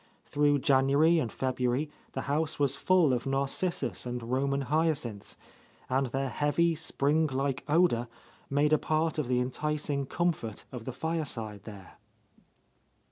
Through January and February the house was full of narcissus and Roman hyacinths, and their heavy, spring like odour made a part of the enticing comfort of the fireside there.